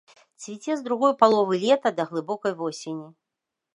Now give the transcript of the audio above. Цвіце з другой паловы лета да глыбокай восені.